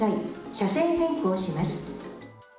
車線変更します。